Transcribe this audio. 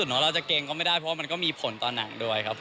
หนูว่าเราจะเกรงก็ไม่ได้เพราะมันก็มีผลต่อหนังด้วยครับผม